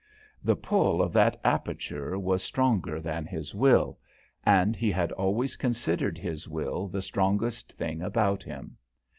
The pull of that aperture was stronger than his will, and he had always considered his will the strongest thing about him.